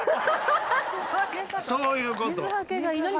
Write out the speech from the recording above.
そういうこと。